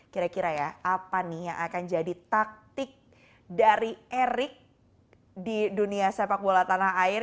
kira kira ya apa nih yang akan jadi taktik dari erik di dunia sepak bola tanah air